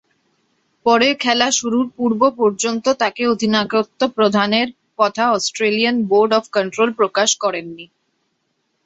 পরের খেলা শুরুর পূর্ব পর্যন্ত তাকে অধিনায়কত্ব প্রদানের কথা অস্ট্রেলিয়ান বোর্ড অব কন্ট্রোল প্রকাশ করেনি।